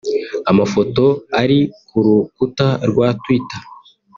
Amafoto ari ku rukuta rwa Twitter